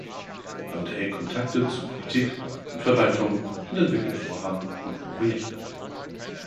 Er unterhält Kontakte zur Politik und Verwaltung und entwickelt Vorhaben und Projekte.